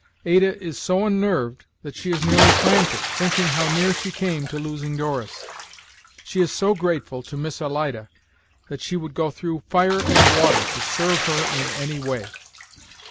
Ada is so unnerved that she is nearly frantic, thinking how near she came to losing Doris. She is so grateful to Miss Alida that she would go through fire and water to serve her in any way.